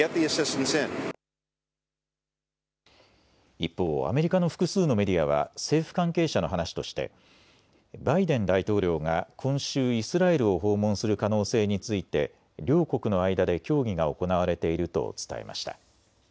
一方、アメリカの複数のメディアは政府関係者の話としてバイデン大統領が今週イスラエルを訪問する可能性について両国の間で協議が行われていると伝えました。